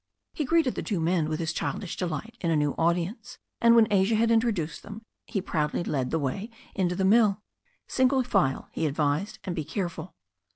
He greeted the two men with his childish delight in a new audience, and when Asia had introduced them he proudly led the way into the mill. "Single file," he advised, "and be careful."